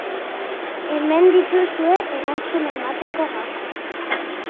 Hemen dituzue erantzuna emateko gakoak.